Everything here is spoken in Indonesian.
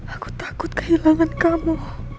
aku takut kehilangan kamu